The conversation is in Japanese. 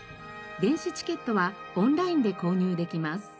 電子チケットはオンラインで購入できます。